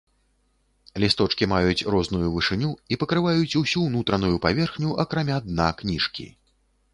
Лісточкі маюць розную вышыню і пакрываюць ўсю ўнутраную паверхню, акрамя дна кніжкі.